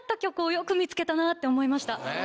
よく見つけたなって思いました。